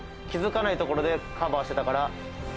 気づかないところでカバーしてたから。